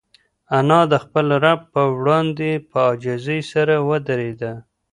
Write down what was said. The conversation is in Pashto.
انا د خپل رب په وړاندې په عاجزۍ سره ودرېده.